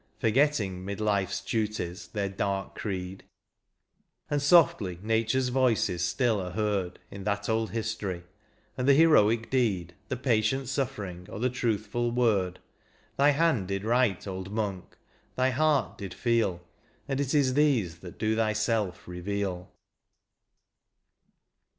Forgetting 'mid life's duties their dark creed: And softly Nature's voices still are heard In that old history, and the heroic deed. The patient suflFering, or the truthful word. Thy hand did write, old monk, thy heart did feel, And it is these that do thyself reveal.